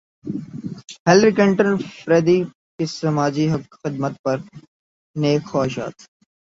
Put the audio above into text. Hillary Clinton فریدی کی سماجی خدمات پر نیک خواہشات